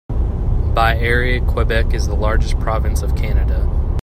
By area, Quebec is the largest province of Canada.